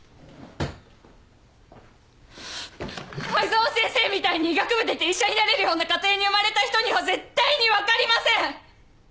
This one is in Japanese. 藍沢先生みたいに医学部出て医者になれるような家庭に生まれた人には絶対に分かりません！